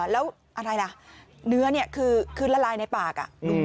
แล้วอะไรล่ะเนื้อนี่คือละลายในปาก